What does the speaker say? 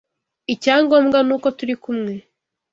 Icyangombwa nuko turi kumwe.